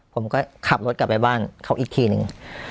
ผมก็ขับรถกลับไปบ้านเขาอีกทีหนึ่ง